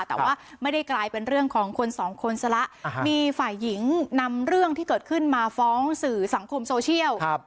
แต่ว่าไม่ได้กลายเป็นเรื่องของคนสองคนซะละมีฝ่ายหญิงนำเรื่องที่เกิดขึ้นมาฟ้องสื่อสังคมโซเชียล